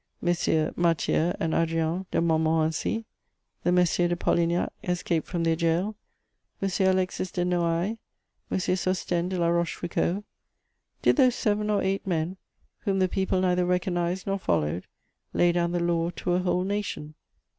Messieurs Mathieu and Adrien de Montmorency; the Messieurs de Polignac, escaped from their jail; M. Alexis de Noailles; M. Sosthène de La Rochefoucauld. Did those seven or eight men, whom the people neither recognised nor followed, lay down the law to a whole nation?